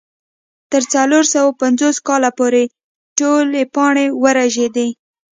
تر څلور سوه پنځوس کاله پورې ټولې پاڼې ورژېدې.